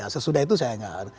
sesudah itu saya tidak tahu